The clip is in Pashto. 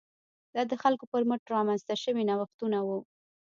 دا د خلکو پر مټ رامنځته شوي نوښتونه وو.